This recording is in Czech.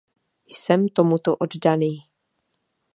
Jsem tomuto oddaný.